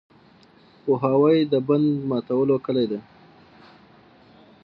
پوهاوی د بند ماتولو کلي ده.